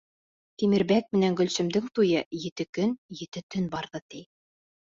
...Тимербәк менән Гөлсөмдөң туйы ете көн, ете төн барҙы, ти.